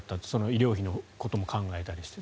医療費のことも考えたりして。